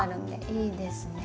いいですね。